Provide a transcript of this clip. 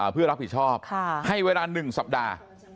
เพื่อรับผิดชอบให้เวลา๑สัปดาห์